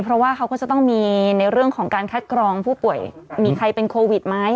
เพราะว่าเขาก็จะต้องมีในเรื่องของการคัดกรองผู้ป่วยมีใครเป็นโควิดไหม